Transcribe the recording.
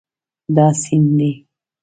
دا سیند دی